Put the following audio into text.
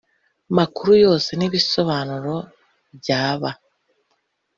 makuru yose n ibisobanuro byaba